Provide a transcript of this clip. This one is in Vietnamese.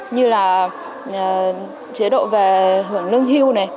như là chế độ về hưởng lương hưu